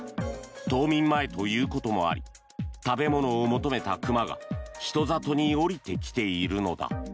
冬眠前ということもあり食べ物を求めた熊が人里に下りてきているのだ。